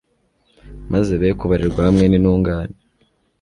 maze bekubarirwa hamwe n'intungane